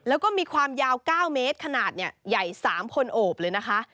แล้วก็มีความยาว๙เมตรขนาดใหญ่๓คนโอบเลยนะคะ